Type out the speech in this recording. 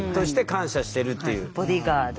ボディーガード。